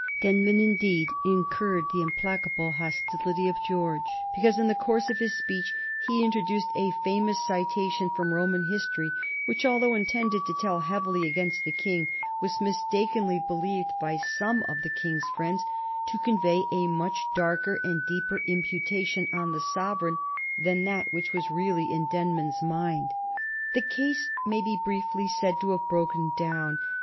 Denman, indeed, incurred the implacable hostility of George because, in the course of his speech, he introduced a famous citation from Roman history which, although intended to tell heavily against the King, was mistakenly believed by some of the King's friends to convey a much darker and deeper imputation on the sovereign than that which was really in Denman's mind. [Sidenote: 1821 Queen Caroline and the King's coronation] The case may be briefly said to have broken down.